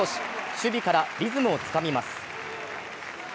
守備からリズムをつかみます。